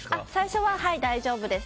最初は大丈夫です。